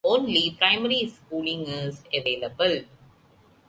Only primary schooling is available.